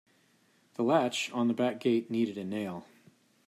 The latch on the back gate needed a nail.